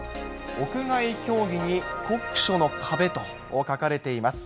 屋外競技に酷暑の壁と書かれています。